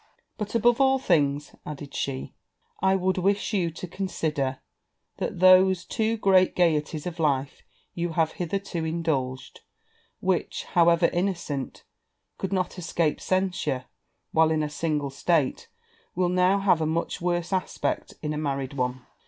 'But, above all things,' added she, 'I would wish you to consider that those too great gaieties of life you have hitherto indulged, which, however, innocent, could not escape censure while in a single state, will now have a much worse aspect in a married one.